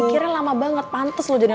pikirnya lama banget pantes lu